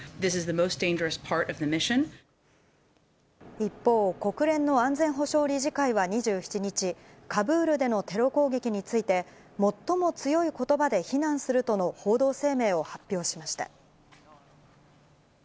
一方、国連の安全保障理事会は２７日、カブールでのテロ攻撃について、最も強いことばで非難するとの報道声明を発表しました。